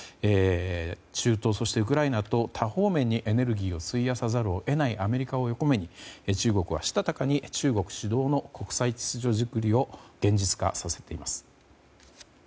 中東そしてウクライナと多方面にエネルギーを費やさざるを得ないアメリカを横目に中国はしたたかに中国主導の国際秩序作りを現実化させています。